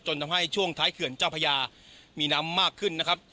ทำให้ช่วงท้ายเขื่อนเจ้าพญามีน้ำมากขึ้นนะครับ